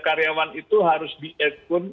karyawan itu harus diatun